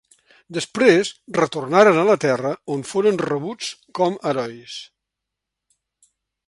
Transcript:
Després retornaren a la Terra on foren rebuts com herois.